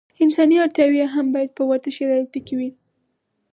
انساني اړتیاوې یې هم باید په ورته شرایطو کې وي.